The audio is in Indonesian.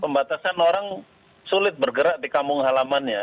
pembatasan orang sulit bergerak di kampung halamannya